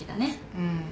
うん。